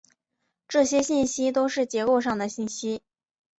这些信息都是结构上的信息。